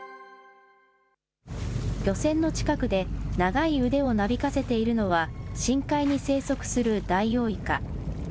漁船の近くで長い腕をなびかせているのは、深海に生息するダイオウイカ。